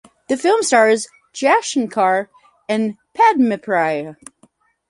The film stars Jaishankar and Padmapriya.